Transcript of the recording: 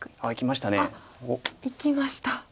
あっいきました。